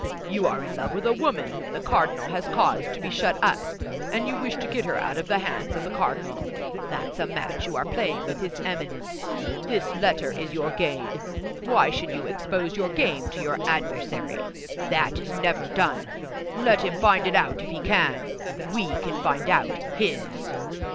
You are in love with a woman whom the cardinal has caused to be shut up, and you wish to get her out of the hands of the cardinal. That's a match you are playing with his Eminence; this letter is your game. Why should you expose your game to your adversary? That is never done. Let him find it out if he can! We can find out his!"